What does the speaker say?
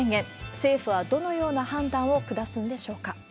政府はどのような判断を下すんでしょうか。